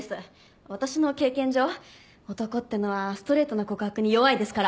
私の経験上男っていうのはストレートな告白に弱いですから。